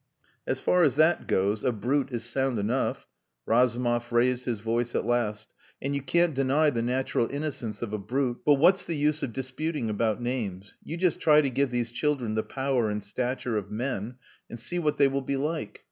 "As far as that goes, a brute is sound enough." Razumov raised his voice at last. "And you can't deny the natural innocence of a brute. But what's the use of disputing about names? You just try to give these children the power and stature of men and see what they will be like.